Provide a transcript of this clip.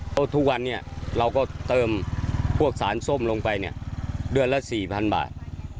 เพราะทุกวันนี้เราก็เติมพวกสารส้มลงไปเนี่ยเดือนละ๔๐๐๐บาท